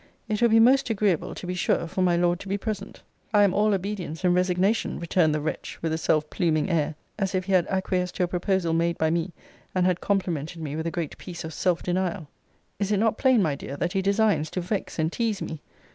It will be most agreeable, to be sure, for my Lord to be present. I am all obedience and resignation, returned the wretch, with a self pluming air, as if he had acquiesced to a proposal made by me, and had complimented me with a great piece of self denial. Is it not plain, my dear, that he designs to vex and tease me?